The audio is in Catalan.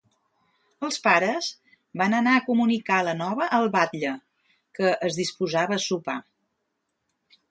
Els pares van anar a comunicar la nova al batlle, que es disposava a sopar.